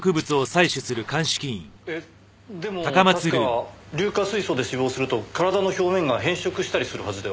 えっでも確か硫化水素で死亡すると体の表面が変色したりするはずでは？